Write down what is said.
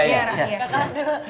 pak togar dulu